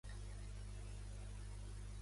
Només queden monyons on ahir hi havia pícees.